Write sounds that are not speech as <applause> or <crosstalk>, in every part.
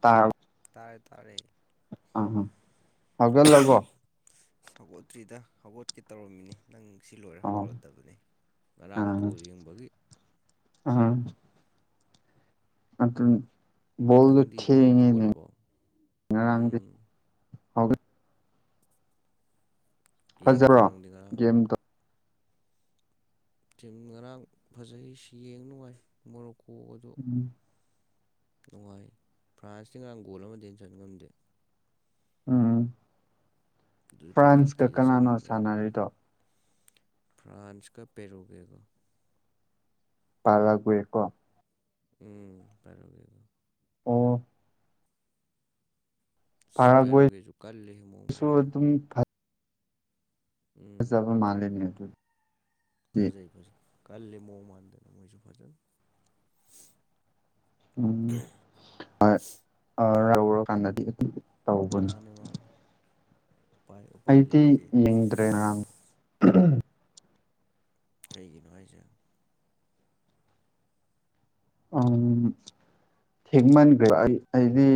ꯇꯥ ꯇꯥꯔꯦ ꯇꯥꯔꯦ ꯎꯝ ꯍꯝ ꯍꯧꯒꯠꯂꯕꯣ ꯑꯁ ꯒꯣꯠꯇ꯭ꯔꯤꯗ ꯍꯧꯒꯠꯀꯦ ꯇꯧꯔꯝꯃꯤꯅꯤ ꯅꯪ ꯁꯤ ꯂꯣꯏꯔ ꯑꯣ ꯍꯧꯔꯛꯑꯗꯕꯅꯤ ꯉꯔꯥꯡ ꯕꯣꯜ ꯌꯦꯡꯕꯒꯤ ꯎꯝ ꯑꯣꯗꯨ ꯕꯣꯜꯗꯣ ꯅꯪꯗꯤ ꯊꯦꯡꯉꯦꯅꯦ ꯍꯧꯒꯠꯂꯕꯣ ꯉꯔꯥꯡꯗꯤ ꯎꯝ ꯍꯧꯒ ꯌꯦꯡꯗ꯭ꯔꯣ ꯐꯖꯕ꯭ꯔꯣ ꯅꯪꯗꯤ ꯉꯔꯥꯡ ꯒꯦꯝꯗꯣ ꯇꯤꯝ ꯉꯔꯥꯡ ꯐꯖꯩꯁꯤ ꯌꯦꯡ ꯅꯨꯡꯉꯥꯏ ꯃꯣꯔꯣꯛꯀꯣꯒꯗꯣ ꯎꯝ ꯅꯨꯡꯉꯥꯏ ꯐ꯭ꯔꯥꯟꯁꯇ ꯉꯔꯥꯡ ꯒꯣꯜ ꯑꯃꯗ ꯍꯦꯟ ꯆꯟ ꯉꯝꯗꯦ ꯎꯝ ꯑꯗꯨ ꯐ꯭ꯔꯥꯟꯁꯀ ꯄꯦꯅꯥꯜꯇꯤꯗ ꯀꯅꯥꯅꯣ ꯆꯟꯕꯅꯦ ꯉꯔꯥꯡ ꯁꯥꯟꯅꯔꯤꯗꯣ ꯐ꯭ꯔꯥꯟꯁꯀ ꯄꯦꯔꯣꯒꯦꯒꯣ <unintelligible> ꯎꯝ ꯄꯥꯔꯥꯒꯌꯦꯒ ꯑꯣ ꯁꯨ ꯄꯥꯔꯥꯒ꯭ꯋꯦꯁꯨ ꯄꯔꯒꯦꯁꯨ ꯀꯜꯂꯦꯍꯦ ꯃꯋꯣꯡ ꯃꯥꯟꯗꯅ ꯑꯗꯨꯝ ꯎꯝ ꯐꯖꯕ ꯃꯥꯜꯂꯤꯅꯦ ꯑꯗꯨ ꯐꯖꯩ ꯐꯖꯩ ꯀꯜꯂꯤ ꯃꯑꯣꯡ ꯃꯥꯟꯗꯅ ꯃꯣꯏꯁꯨ ꯐꯖꯅ ꯎꯝ <unintelligible> ꯀꯥꯟꯅꯗꯤ ꯃꯥꯅꯦ ꯃꯥꯅꯦ ꯎꯄꯥꯏ ꯎꯄꯥꯏ ꯑꯩꯗꯤ ꯂꯩꯇꯦ ꯌꯦꯡꯗ꯭ꯔꯦ ꯉꯔꯥꯡ ꯀꯩꯒꯤꯅꯣ ꯍꯥꯏꯁꯦ ꯎꯝ ꯊꯦꯡꯃꯟꯈ꯭ꯔꯦꯕ ꯑꯩ ꯑꯩꯗꯤ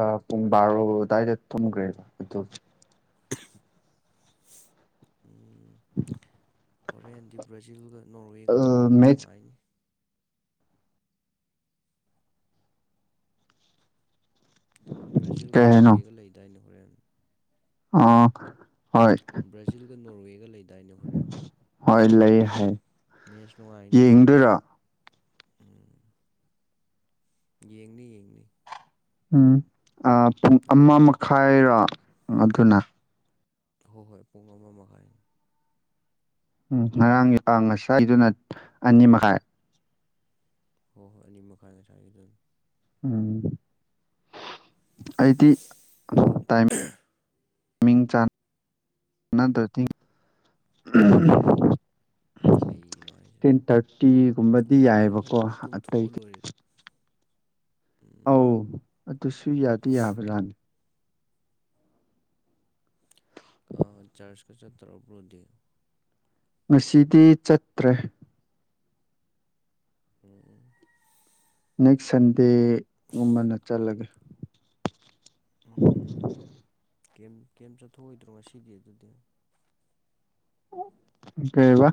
ꯑ ꯄꯨꯡ ꯕꯥꯔꯣ ꯑꯗꯨꯗꯥꯋꯥꯏꯗ ꯊꯨꯝꯈ꯭ꯔꯦꯕ ꯑꯗꯨ ꯍꯣꯔꯦꯟꯗꯤ ꯕ꯭ꯔꯥꯖꯤꯜꯒ ꯅꯣꯔꯋꯦꯒ ꯃꯦꯠꯁ ꯅꯨꯡꯉꯥꯏꯅꯤ ꯀꯩ ꯕ꯭ꯔꯥꯖꯤꯜꯒ ꯅꯣꯔꯋꯦꯒ ꯂꯩꯗꯥꯏꯅꯦ ꯍꯣꯔꯦꯟ ꯑꯣ ꯕ꯭ꯔꯥꯖꯤꯜꯒ ꯅꯣꯔꯋꯦꯒ ꯂꯩꯗꯥꯏꯅ ꯍꯣꯔꯦꯟ ꯍꯣꯏ ꯂꯩ ꯍꯥꯏ ꯃꯦꯁ ꯅꯨꯡꯉꯥꯏꯅꯤ ꯑꯗꯨꯝ ꯌꯦꯡꯗꯣꯏꯔꯣ ꯎꯝ ꯌꯦꯡꯅꯤ ꯌꯦꯡꯅꯤ ꯎꯝ ꯄꯨꯡ ꯑꯃ ꯌꯦꯡꯗꯣꯏꯅꯤ ꯃꯈꯥꯏꯔꯣ ꯑꯗꯨꯅ ꯍꯣꯏ ꯍꯣꯏ ꯄꯨꯡ ꯑꯃ ꯃꯈꯥꯏꯅꯤ ꯎꯝ ꯉꯔꯥꯡꯒꯤ ꯉꯁꯥꯢ ꯑꯩꯗꯨꯅ ꯑꯅꯤ ꯃꯈꯥꯏ ꯍꯣꯏ ꯍꯣꯏ ꯑꯅꯤ ꯃꯈꯥꯢ ꯉꯁꯥꯏꯒꯤꯗꯨꯅ ꯎꯝ ꯑꯩꯗꯤ <unintelligible> ꯃꯤꯡ ꯆꯥꯟ ꯅꯗ꯭ꯔꯥꯗꯤ ꯎꯝ ꯀꯩꯒꯤꯅꯣ ꯍꯥꯏꯁꯦ ꯇꯦꯟ ꯊꯥꯔꯇꯤꯒꯨꯝꯕꯗꯤ ꯅꯨꯡꯊꯤꯟꯗ ꯌꯥꯏꯌꯦꯕꯀꯣ ꯐꯖꯅ ꯑꯇꯩ ꯇꯨꯝꯊꯣꯛꯑ ꯂꯣꯏꯔꯦ ꯎꯝ ꯑꯧ ꯑꯗꯨꯁꯨ ꯌꯥꯗꯤ ꯌꯥꯕ ꯖꯥꯅꯤ ꯑꯥ ꯆꯔꯥꯁꯀ ꯆꯠꯇꯔꯥ ꯕ꯭ꯔꯣꯗꯤ ꯉꯁꯤꯗꯤ ꯆꯠꯇ꯭ꯔꯦ ꯎꯝ ꯅꯦꯛꯁ ꯁꯟꯗꯦ ꯒꯨꯝꯕꯅ ꯆꯠꯂꯒꯦ ꯎꯝ ꯀꯩꯝ ꯀꯩꯝ ꯆꯠꯊꯣꯛꯑꯣꯏꯗ꯭ꯔꯣ ꯉꯁꯤꯗꯤ ꯑꯗꯨꯗꯤ ꯀꯩꯑꯥꯕ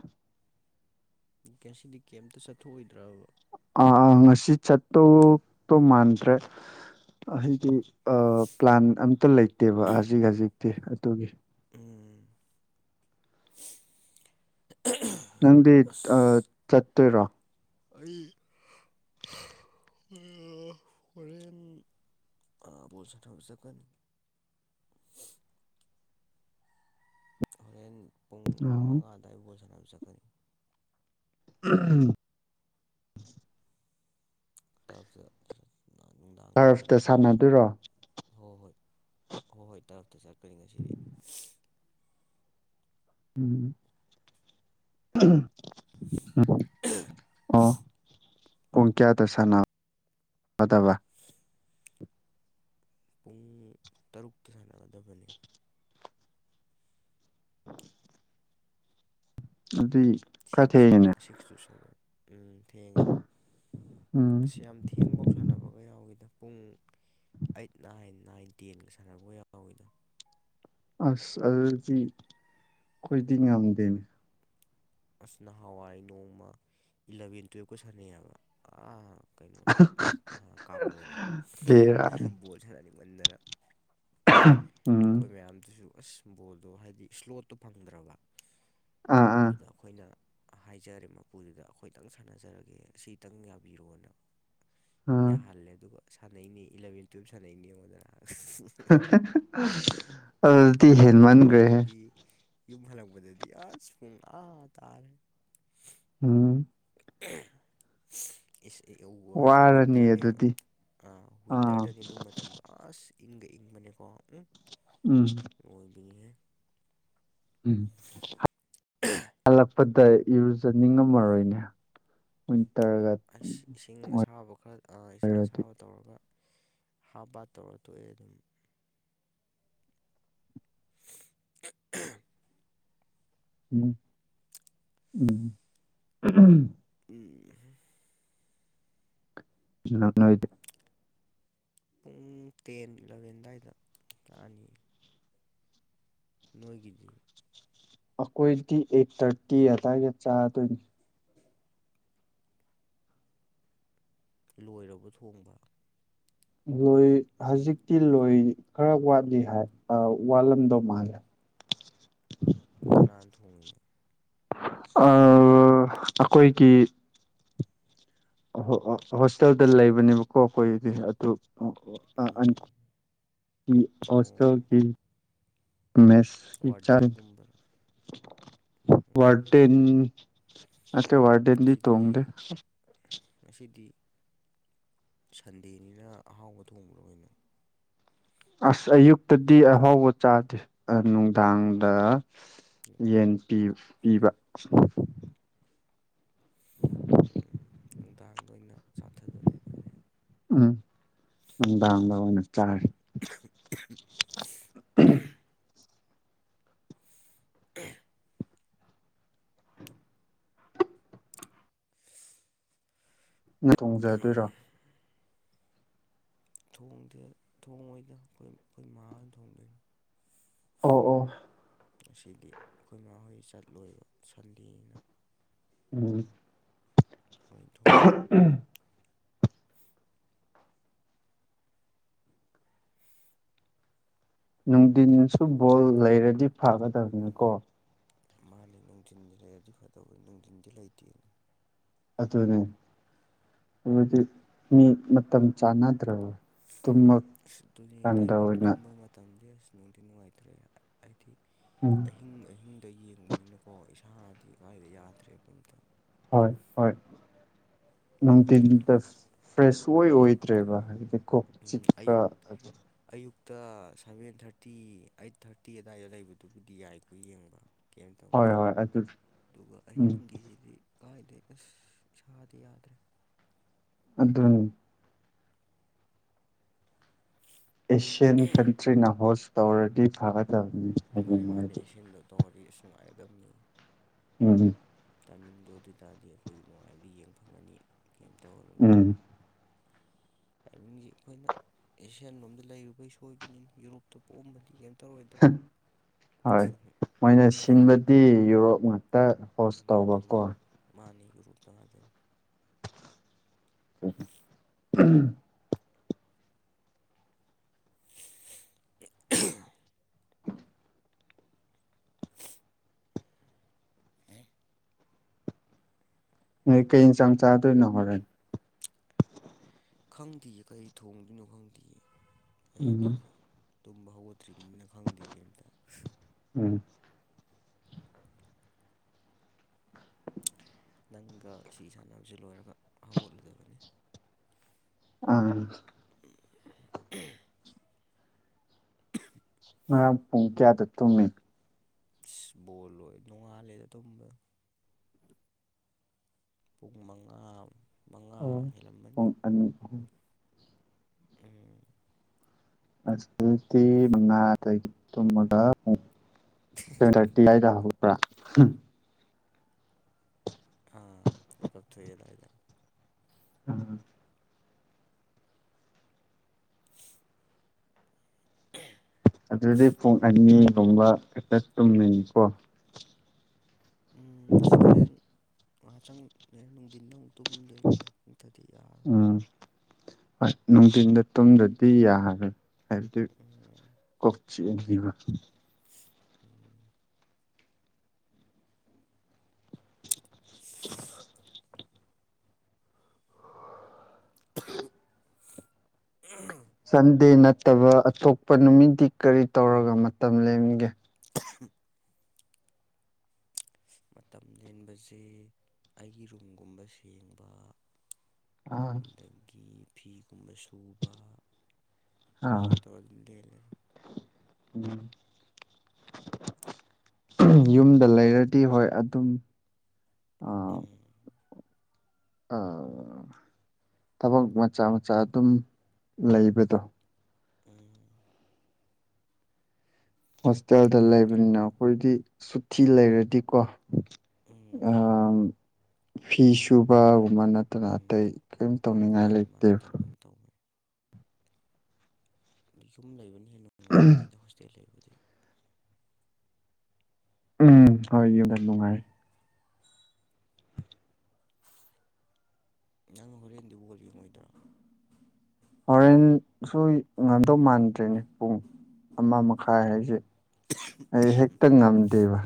ꯉꯁꯤꯗꯤ ꯀꯩꯝꯇ ꯆꯠꯊꯣꯛꯑꯣꯏꯗ꯭ꯔꯕ ꯑꯥ ꯑꯥ ꯉꯁꯤ ꯆꯠꯇꯧ ꯇꯧ ꯃꯥꯟꯗ꯭ꯔꯦ ꯍꯥꯏꯗꯤ ꯑꯥ ꯄ꯭ꯂꯥꯟ ꯑꯝꯇ ꯂꯩꯇꯦꯕ ꯍꯧꯖꯤꯛ ꯍꯧꯖꯤꯛꯇꯤ ꯑꯗꯨꯒꯤ ꯎꯝ ꯅꯪꯗꯤ ꯑꯥ ꯆꯠꯇꯣꯏꯔꯣ ꯑꯩ ꯍꯥ ꯍꯣꯔꯦꯟ ꯑꯥ ꯕꯣꯜ ꯁꯥꯟꯅꯕ ꯆꯠꯀꯅꯤ ꯍꯣꯔꯦꯟ ꯄꯨꯡ ꯃꯉꯥ ꯑꯗꯨꯋꯥꯢ ꯕꯣꯜ ꯁꯥꯟꯅꯕ ꯆꯠꯀꯅꯤ ꯎꯝ ꯇꯔꯥꯞꯇ ꯇꯔꯥꯞꯇ ꯁꯥꯟꯅꯗꯣꯏꯔꯣ ꯍꯣꯏ ꯍꯣꯏ ꯍꯣꯏ ꯍꯣꯏ ꯇꯔꯥꯞꯇ ꯆꯠꯀꯅꯤ ꯉꯁꯤꯗꯤ ꯎꯝ ꯑꯥ ꯑꯣ ꯄꯨꯡ ꯀꯌꯥꯗ ꯁꯥꯟꯅꯒꯗꯕ ꯄꯨꯡ ꯇꯔꯨꯛꯇ ꯁꯥꯟꯅꯒꯗꯕꯅꯤ <inaudible> ꯑꯗꯨꯗꯤ ꯈꯔ ꯁꯤꯛꯁ ꯊꯦꯡꯉꯤꯅꯦ ꯁꯤꯛꯁ ꯇꯨ ꯁꯚꯦꯟ ꯎꯝ ꯊꯦꯡꯉꯦ ꯎꯝ ꯑꯁꯤ ꯌꯥꯝ ꯊꯦꯡꯄꯥꯎ ꯁꯥꯟꯅꯕꯒ ꯌꯥꯎꯢꯗ ꯄꯨꯡ ꯑꯩꯠ ꯅꯥꯏꯟ ꯅꯥꯏꯟ ꯇꯦꯟꯒ ꯁꯥꯟꯅꯕꯒ ꯌꯥꯎꯋꯤꯗ ꯑꯁ ꯑꯗꯨꯗꯤ ꯑꯩꯈꯣꯏꯗꯤ ꯉꯝꯗꯦꯅꯦ ꯑꯁ ꯅꯍꯥꯟꯋꯥꯏ ꯅꯣꯡꯃ ꯏꯂꯚꯦꯟ ꯇꯨꯌꯦꯜꯞꯀ ꯁꯥꯟꯅꯩ ꯍꯥꯢꯕ ꯑꯥ ꯀꯩꯅꯣꯗ ꯀꯥꯒꯣꯗ ꯕꯦꯔꯥꯅꯤ ꯕꯣꯜ ꯁꯥꯟꯅꯅꯤꯡꯃꯟꯗꯅ <unintelligible> ꯑꯩꯈꯣꯏ ꯃꯌꯥꯝꯗꯨꯁꯨ ꯑꯁ ꯕꯣꯜꯗꯣ ꯍꯥꯏꯗꯤ ꯁ꯭ꯂꯣꯠꯇꯣ ꯐꯪꯗ꯭ꯔꯕ ꯑꯥ ꯑꯥ ꯑꯗꯨꯗ ꯑꯩꯈꯣꯏꯅ ꯍꯥꯏꯖꯔꯦ ꯃꯄꯨꯗꯨꯗ ꯑꯩꯈꯣꯏꯗꯪ ꯁꯥꯟꯅꯖꯔꯒꯦ ꯑꯁꯤꯇꯪ ꯌꯥꯕꯤꯔꯣꯅ ꯑꯥ ꯌꯥꯍꯜꯂꯦ ꯑꯗꯨꯒ ꯁꯥꯟꯅꯩꯅꯦ ꯏꯂꯚꯦꯟ ꯇꯨꯌꯦꯜꯞ ꯁꯥꯟꯅꯩꯅꯦ ꯌꯦꯡꯉꯣꯗꯅ ꯑꯗꯨꯗꯤ ꯌꯨꯝ ꯍꯦꯟꯃꯟꯒ꯭ꯔꯦꯍꯦ ꯍꯜꯂꯛꯄꯗꯗꯤ ꯌꯨꯝ ꯍꯜꯂꯛꯄꯗꯗꯤ ꯑꯁ ꯄꯨꯡ ꯑꯥ ꯇꯥꯔꯦ ꯎꯝ <unintelligible> ꯏꯁ ꯋꯥꯔꯅꯤ ꯋꯤꯟꯇꯔꯅꯦꯕ ꯑꯗꯨꯗꯤ ꯑꯥ ꯋꯤꯟꯇꯔꯗꯅꯦ ꯑꯗꯨ ꯃꯇꯝꯗꯣ ꯑꯁ ꯏꯪꯒ ꯏꯪꯕꯅꯦꯀꯣ ꯎꯝ ꯎꯝ ꯑꯣꯏꯕꯅꯤꯍꯦ ꯎꯝ ꯍꯜꯂꯛꯄꯗ ꯏꯔꯨꯖꯅꯤꯡꯉꯝꯃꯔꯣꯏꯅꯦ ꯋꯤꯟꯇꯔꯒ ꯑꯩꯁ ꯏꯁꯤꯡ ꯑꯁꯥꯕ ꯈꯔ ꯏꯁꯤꯡ ꯑꯣꯏꯔꯗꯤ ꯑꯁꯥꯕꯗ ꯇꯧꯔꯒ ꯍꯥꯞ ꯕꯥꯠ ꯇꯧꯔꯥ ꯇꯣꯛꯑꯦ ꯑꯗꯨꯝ <unintelligible> ꯎꯝ ꯎꯝ ꯎꯝ ꯅꯛ ꯅꯣꯏꯗꯦ ꯄꯨꯡ ꯇꯦꯟ ꯏꯂꯚꯦꯟ ꯑꯗꯨꯋꯥꯏꯗ ꯂꯥꯛꯑꯅꯤ ꯅꯣꯏꯒꯤꯗꯤ ꯑꯩꯈꯣꯏꯗꯤ ꯑꯩꯠ ꯊꯥꯔꯇꯤ ꯑꯗꯨꯋꯥꯏꯗ ꯆꯥꯗꯣꯏꯅꯤ <unintelligible> ꯂꯣꯏꯔꯕꯣ ꯊꯣꯡꯕ ꯂꯣꯏ ꯍꯧꯖꯤꯛꯇꯤ ꯂꯣꯏ ꯈꯔꯥ ꯋꯥꯠꯂꯤ ꯍꯥꯏ ꯋꯥꯠꯂꯝꯗꯣ ꯃꯥꯜꯂꯦ ꯀꯅꯥꯅ ꯊꯣꯡꯉꯤꯅꯣ ꯑꯥ ꯑꯩꯈꯣꯏꯒꯤ ꯍꯣꯁꯇꯦꯜꯗ ꯂꯩꯕꯅꯦꯕꯀꯣ ꯑꯩꯈꯣꯏꯗꯤ ꯑꯗꯨ ꯑꯣ ꯎꯝ ꯑꯣ ꯍꯣꯁꯇꯦꯜꯒꯤ ꯃꯦꯁꯀꯤ ꯆꯥꯔꯦ ꯋꯥꯔꯗꯦꯟꯒꯨꯝꯕꯔꯣ ꯎꯝ ꯋꯥꯔꯗꯦꯟ ꯑꯈꯣꯏ ꯋꯥꯔꯗꯦꯟꯗꯤ ꯉꯁꯤꯗꯤ ꯇꯣꯡꯗꯦ ꯉꯁꯤꯗꯤ ꯁꯟꯗꯦꯅꯤꯅ ꯑꯍꯥꯎꯕ ꯊꯣꯡꯕ꯭ꯔꯣ ꯀꯩꯅꯣ ꯑꯁ ꯑꯌꯨꯛꯇꯗꯤ ꯑꯍꯥꯎꯕ ꯆꯥꯗꯦ ꯅꯨꯡꯗꯥꯡꯗ ꯌꯦꯟ ꯄꯤ ꯄꯤꯕ ꯅꯨꯡꯗꯥꯡꯗ ꯑꯣꯏꯅ ꯆꯥꯊꯗꯣꯔꯦ ꯑꯗꯨꯗꯤ ꯎꯝ ꯅꯨꯡꯗꯥꯡ ꯑꯣꯏꯅ ꯆꯥꯔꯤ <inaudible> <inaudible> ꯅ ꯊꯣꯡꯖꯥꯗꯣꯏꯔꯣ ꯊꯣꯡꯗꯦ ꯊꯣꯡꯉꯣꯏꯗ ꯑꯩꯈꯣꯏ ꯑꯩꯈꯣꯏ ꯃꯥ ꯍꯣꯏꯅꯥ ꯊꯣꯡꯗꯣꯏꯅꯤ ꯑꯣ ꯑꯣ ꯉꯁꯤꯗꯤ ꯑꯩꯈꯣꯏ ꯃꯥꯍꯣꯏ ꯆꯠꯂꯣꯏꯕ ꯁꯟꯗꯦꯅꯤꯅꯥ ꯎꯝ ꯃꯣꯏꯟ ꯊꯣꯡꯗꯣꯏꯅꯤ ꯅꯨꯡꯊꯤꯟꯗꯥꯁꯨ ꯕꯣꯜ ꯂꯩꯔꯗꯤ ꯐꯒꯗꯕꯅꯤꯀꯣ ꯃꯥꯅꯤ ꯅꯨꯡꯊꯤꯟꯁꯤ ꯂꯩꯔꯗꯤ ꯐꯗꯧꯕꯅꯤ ꯅꯨꯡꯊꯤꯟꯗꯤ ꯂꯩꯇꯦꯅꯦ ꯑꯗꯨꯅꯦ ꯑꯗꯨꯗꯤ ꯃꯤ ꯃꯇꯝ ꯆꯥꯅꯗ꯭ꯔꯕ ꯑꯗꯨꯃꯛ ꯑꯁ ꯑꯗꯨꯅꯦ ꯇꯥꯏꯃꯤꯡ ꯇꯨꯝꯕꯩ ꯃꯇꯝꯗꯤ ꯑꯁ ꯅꯨꯡꯗꯤ ꯅꯨꯡꯉꯥꯏꯇ꯭ꯔꯦ ꯍꯥꯏꯗꯤ ꯎꯝ ꯑꯍꯤꯡ ꯑꯍꯤꯡꯗ ꯌꯦꯡꯕꯅꯤꯅꯀꯣ ꯏꯁꯥꯗꯤ ꯀꯥꯏꯗ ꯌꯥꯗ꯭ꯔꯦꯕ ꯑꯝꯇ ꯍꯣꯏ ꯍꯣꯏ ꯑꯗꯨꯅ ꯅꯨꯡꯇꯤꯟꯗ ꯐ꯭ꯔꯦꯁ ꯁꯨꯑꯣꯏ ꯑꯣꯏꯗ꯭ꯔꯦꯕ ꯍꯥꯏꯕꯗꯤ ꯀꯣꯛ ꯆꯤꯛꯄ ꯑꯌꯨꯛ ꯑꯗꯨ ꯑꯌꯨꯛꯇ ꯁꯚꯦꯟ ꯊꯥꯔꯇꯤ ꯑꯩꯠ ꯊꯥꯔꯇꯤ ꯑꯗꯥꯏꯗ ꯂꯩꯕꯗꯨꯕꯨꯗꯤ ꯌꯥꯏꯀꯣ ꯌꯦꯡꯕ ꯀꯩꯝ ꯍꯣꯏ ꯇꯧꯗꯦ ꯍꯣꯏ ꯑꯗꯨ ꯑꯗꯨꯒ ꯎꯝ ꯑꯍꯤꯡꯒꯤꯖꯤꯗꯤ ꯀꯥꯏꯗꯩ ꯑꯁ ꯏꯁꯥꯗꯤ ꯌꯥꯗ꯭ꯔꯦ ꯑꯗꯨꯅꯤ ꯑꯦꯁꯤꯌꯥꯟ ꯀꯟꯇ꯭ꯔꯤꯅ ꯍꯣꯁ ꯇꯧꯔꯗꯤ ꯐꯒꯗꯕꯅꯤ ꯃꯥꯅꯤ ꯍꯌꯦꯡ ꯃꯥꯅꯤ ꯍꯥꯏꯗꯤ ꯑꯦꯁꯤꯌꯟꯗꯣ ꯇꯧꯔꯗꯤ ꯏꯁ ꯉꯥꯏꯒꯗꯕꯅꯤꯍꯦ ꯎꯝ ꯇꯥꯏꯃꯤꯡꯗꯣ ꯑꯗꯨ ꯑꯣꯏ ꯇꯔꯗꯤ ꯑꯩꯈꯣꯏꯖꯨ ꯅꯨꯡꯉꯥꯏꯕꯗꯤ ꯌꯦꯡ ꯐꯪꯉꯅꯤ ꯀꯩꯝ ꯇꯧꯔꯔꯣꯏꯕ ꯎꯝ ꯇꯥꯏꯃꯤꯡꯖꯤ ꯑꯩꯈꯣꯏꯅ ꯑꯦꯁꯤꯌꯥꯟ ꯂꯣꯝꯗ ꯂꯩꯔꯨꯕꯩ ꯁꯣꯏꯕꯅꯤ ꯌꯨꯔꯣꯞꯇ ꯄꯣꯛꯑꯝꯕꯗꯤ ꯀꯩꯝ ꯇꯧꯔꯣꯏꯗꯕꯅꯤ ꯍꯣꯏ ꯃꯣꯏꯅ ꯁꯤꯟꯕꯗꯤ ꯌꯨꯔꯞ ꯉꯥꯛꯇ ꯍꯣꯁ ꯃꯥꯅꯦ ꯃꯥꯅꯦ ꯇꯧꯕꯀꯣ ꯃꯥꯅꯤ ꯌꯨꯔꯣꯞꯇ ꯉꯥꯛꯇꯅꯤ ꯎꯝ <inaudible> <inaudible> ꯅꯣꯏ ꯀꯩ ꯏꯟꯖꯥꯡ ꯆꯥꯗꯣꯏꯅꯣ ꯍꯣꯔꯦꯟ ꯈꯪꯗꯤꯌꯦ ꯀꯔꯤ ꯊꯣꯡꯗꯣꯏꯅꯣ ꯈꯪꯗꯤꯌꯦ ꯑꯩ ꯎꯝ ꯑꯗꯨꯗꯤ ꯇꯨꯝꯕ ꯍꯧꯒꯠꯇ꯭ꯔꯤꯕꯅꯤꯅ ꯈꯪꯗꯦ ꯀꯩꯝꯇ ꯎꯝ ꯅꯪꯒ ꯑꯁꯤ ꯁꯥꯟꯅꯕꯁꯤ ꯂꯣꯏꯔꯒ ꯍꯧꯒꯠꯂꯗꯕꯅꯤ ꯑꯝ <unintelligible> ꯉꯔꯥꯡ ꯄꯨꯡ ꯀꯌꯥꯗ ꯇꯨꯝꯃꯤ ꯏꯁ ꯕꯣꯜ ꯂꯣꯏ ꯅꯣꯡꯉꯥꯜꯂꯦꯗ ꯇꯨꯝꯕꯗ ꯄꯨꯡ ꯃꯉꯥ ꯃꯉꯥ ꯑꯣ ꯍꯦꯜꯂꯝꯃꯅꯤ ꯄꯨꯡ ꯑꯅꯤ ꯑꯍꯨꯝ ꯎꯝ ꯑꯁ ꯑꯗꯨꯗꯤ ꯃꯉꯥꯗꯒꯤ ꯇꯨꯝꯃꯒ ꯄꯨꯡ ꯁꯚꯦꯟ ꯊꯥꯔꯇꯤ ꯑꯗꯥꯏꯗ ꯍꯧꯕ꯭ꯔꯥ ꯑꯥ ꯃꯤꯀꯞ ꯊꯣꯛꯑꯦ ꯑꯗꯥꯏꯗ ꯎꯝ ꯍ ꯑꯗꯨꯗꯤ ꯄꯨꯡ ꯑꯅꯤꯒꯨꯝꯕ ꯈꯛꯇ ꯇꯨꯝꯃꯤꯅꯤꯀꯣ ꯎꯝ ꯁꯣꯔꯦꯟ ꯉꯍꯥꯛꯇꯪ ꯂꯩꯔ ꯅꯨꯡꯗꯤꯟꯗ ꯑꯃꯨꯛ ꯇꯨꯝꯗꯣꯏꯅꯤꯗ ꯅꯠꯇ꯭ꯔꯗꯤ ꯌꯥꯔꯣꯏ ꯑꯍ ꯅꯨꯡꯗꯤꯟꯗ ꯇꯨꯝꯗ꯭ꯔꯗꯤ ꯌꯥꯔꯔꯣꯏ ꯍꯥꯏꯕꯗꯤ ꯎꯝ ꯀꯣꯛ ꯆꯤꯛꯑꯅꯦꯕ ꯎꯝ <unintelligible> <unintelligible> ꯁꯟꯗꯦ ꯅꯠꯇꯕ ꯑꯇꯣꯞꯄ ꯅꯨꯃꯤꯠꯇꯗꯤ ꯀꯔꯤ ꯇꯧꯔꯒ ꯃꯇꯝ ꯂꯦꯟꯒꯦ <unintelligible> ꯃꯇꯝ ꯂꯦꯟꯕꯁꯤ ꯑꯩꯒꯤ ꯔꯨꯝꯒꯨꯝꯕ ꯁꯦꯡꯕ ꯑꯥ ꯑꯗꯒꯤ ꯐꯤꯒꯨꯝꯕ ꯁꯨꯕ ꯑꯗꯨꯃꯥꯏꯅ ꯇꯧꯔꯒ ꯂꯦꯜꯂꯦ ꯎꯝ ꯌꯨꯝꯗ ꯂꯩꯔꯗꯤ ꯍꯣꯏ ꯑꯗꯨꯝ ꯑꯥ ꯎꯝ ꯑꯥ ꯊꯕꯛ ꯃꯆꯥ ꯃꯆꯥ ꯑꯗꯨꯝ ꯂꯩꯕꯗꯣ ꯎꯝ ꯍꯣꯁꯇꯦꯜꯗ ꯑꯗꯨꯃꯥꯏꯅ ꯇꯧꯔ ꯂꯩꯕꯅꯤꯅ ꯑꯩꯈꯣꯏꯗꯤ ꯁꯨꯇꯤ ꯂꯩꯔꯗꯤꯀꯣ ꯎꯝ ꯑꯥ ꯐꯤ ꯁꯨꯕꯒꯨꯝꯕ ꯅꯠ ꯇꯅ ꯎꯝ ꯑꯇꯩ ꯀꯔꯤꯝ ꯇꯧꯅꯤꯡꯉꯥꯏ ꯃꯥꯅꯦ ꯃꯥꯅꯦ ꯂꯩꯇꯦꯕ ꯇꯧꯕꯅꯤ ꯇꯧꯕꯅꯤ ꯌꯨꯝ ꯂꯩꯕꯅ ꯍꯦꯟꯅ ꯅꯨꯡꯉꯥꯏꯔꯝꯅꯤꯗ ꯍꯣꯁꯇꯦꯜ ꯂꯩꯕꯨꯗꯤ ꯎꯝ ꯍꯣꯏ ꯌꯨꯝꯅ ꯅꯨꯡꯉꯥꯏ ꯅꯪ ꯍꯣꯔꯦꯟꯗꯤ ꯕꯣꯜ ꯌꯦꯡꯉꯣꯏꯗ꯭ꯔ ꯍꯣꯔꯦꯟꯁꯨ ꯉꯝꯗꯧ ꯃꯥꯟꯗ꯭ꯔꯦꯅꯦ ꯄꯨꯡ ꯑꯃ ꯃꯈꯥꯏ ꯍꯥꯏꯁꯦ ꯑꯩ ꯍꯦꯛꯇ ꯉꯝꯗꯦꯕ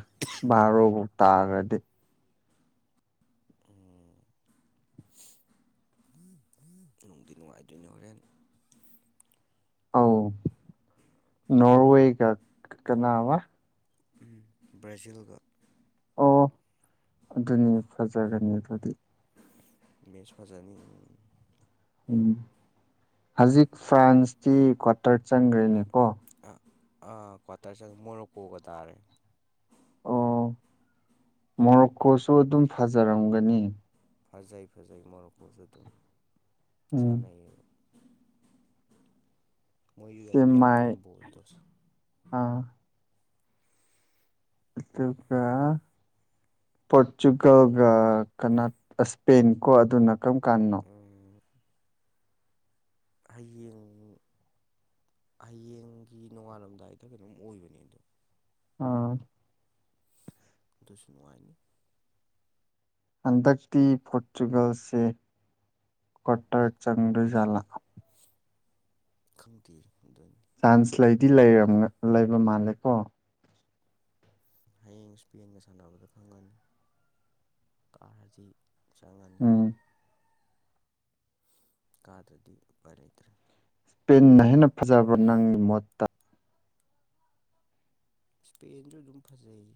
ꯕꯥꯔꯣꯕꯨ ꯇꯥꯈꯔꯗꯤ ꯎꯝ ꯅꯨꯡꯗꯤ ꯅꯨꯡꯉꯥꯏꯗꯣꯏꯅꯦ ꯍꯣꯔꯦꯟ ꯑꯧ ꯅꯣꯔꯋꯦꯒ ꯀꯅꯥꯕ ꯕ꯭ꯔꯖꯤꯜꯒ ꯑꯣ ꯑꯗꯨꯅꯤ ꯐꯖꯒꯅꯤ ꯑꯗꯨꯗꯤ ꯃꯦꯠꯁ ꯐꯖꯅꯤ ꯎꯝ ꯍꯧꯖꯤꯛ ꯐ꯭ꯔꯥꯟꯁꯇꯤ ꯀ꯭ꯋꯥꯇꯔ ꯆꯪꯈ꯭ꯔꯦꯅꯦꯀꯣ ꯑꯥ ꯀ꯭ꯋꯥꯇꯔ ꯆꯪꯉꯦ ꯃꯣꯔꯣꯀꯣꯒ ꯇꯥꯔꯦ ꯃꯣꯔꯣꯀꯣꯁꯨ ꯑꯗꯨꯝ ꯐꯖꯔꯝꯒꯅꯤ ꯐꯖꯩ ꯐꯖꯩ ꯃꯣꯔꯣꯀꯣꯁꯨꯨ ꯑꯗꯨꯝ ꯎꯝ ꯁꯥꯅꯩꯕ ꯃꯣꯏꯁꯨ ꯌꯥꯝ ꯁꯦꯃꯥꯏ ꯌꯥꯡꯉꯦ ꯕꯣꯜꯗꯨꯁꯨ ꯑꯥ ꯑꯗꯨꯒ ꯄꯣꯔꯇꯨꯒꯜꯒ ꯀꯅꯥ ꯏꯁꯄꯦꯟꯀꯣ ꯑꯗꯨꯅ ꯀꯔꯝ ꯀꯥꯟꯗꯅꯣ ꯍꯌꯦꯡ ꯍꯌꯦꯡꯒꯤ ꯅꯣꯡꯉꯥꯜꯂꯝꯗꯥꯏꯗ ꯀꯩꯅꯣꯝ ꯑꯣꯏꯕꯅꯦ ꯑꯗꯣ ꯑꯥ ꯑꯗꯨꯁꯨ ꯅꯨꯡꯉꯥꯏꯅꯤ ꯍꯟꯗꯛꯇꯤ ꯄꯣꯔꯇꯨꯒꯜꯁꯦ ꯀ꯭ꯋꯥꯇꯔ ꯆꯪꯗꯣꯏꯖꯥꯠꯂ ꯈꯪꯗꯦ ꯑꯗꯨꯗꯤ ꯆꯥꯟꯁ ꯂꯩꯗꯤ ꯂꯩꯔꯝ ꯂꯩꯕ ꯃꯥꯜꯂꯦꯀꯣ ꯍꯌꯦꯡ ꯏꯁꯄꯦꯟꯒ ꯁꯥꯟꯅꯕꯗ ꯈꯪꯒꯅꯤ ꯀꯥꯔꯗꯤ ꯆꯪꯉꯅꯤ ꯎꯝ ꯀꯥꯗ꯭ꯔꯗꯤ ꯎꯄꯥꯏ ꯂꯩꯇꯔꯦ ꯏꯁꯄꯦꯟꯅ ꯍꯦꯟꯅ ꯐꯖꯕꯔ ꯅꯪꯒꯤ ꯃꯣꯠꯇ ꯏꯁꯄꯦꯟꯁꯨ ꯑꯗꯨꯝ ꯐꯖꯩ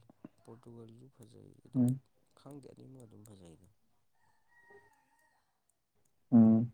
ꯄꯣꯔꯇꯨꯒꯜꯁꯨ ꯐꯖꯩ ꯑꯗꯣ ꯎꯝ ꯈꯪꯗꯦ ꯑꯗꯨꯝ ꯑꯗꯨꯝ ꯐꯖꯩꯗ ꯎꯝ